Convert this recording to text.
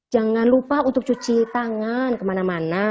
jangan lupa untuk cuci tangan kemana mana